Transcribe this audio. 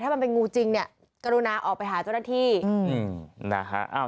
มันเป็นงูจริงเนี่ยกรุณาออกไปหาเจ้าหน้าที่นะฮะ